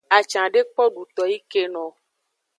Acan de kpo duto yi keno o.